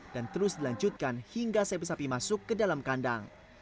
dan terus dilanjutkan hingga sapi sapi masuk ke dalam kandang